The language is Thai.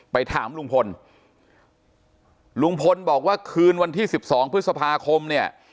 ไปถามลุงพลลุงพลบอกว่าคืนวันที่๑๒พฤษภาคมเนี่ย